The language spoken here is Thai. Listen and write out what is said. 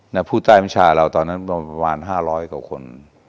นะภูต้ายมัญชาติเราตอนนั้นอยู่ประมาณ๕๐๐กว่าคน